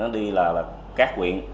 đi là các huyện